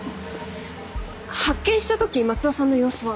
発見した時松田さんの様子は？